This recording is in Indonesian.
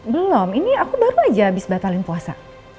belum ini aku baru aja habis batalin puasa